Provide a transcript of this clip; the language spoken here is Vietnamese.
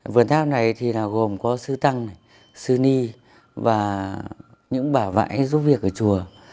vườn tháp này gồm có sư tăng sư ni và những bả vãi giúp việc ở chùa